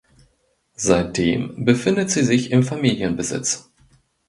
Seitdem befindet sie sich im Familienbesitz.